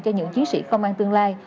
cho những chiến sĩ không an tương lai